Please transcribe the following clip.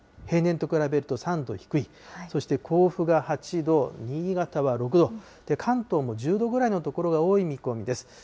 平年と比べると３度低い、そして甲府が８度、新潟は６度、関東も１０度ぐらいの所が多い見込みです。